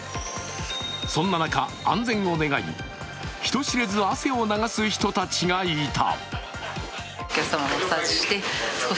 そんな中、安全を願い、人知れず汗を流す人たちがいた。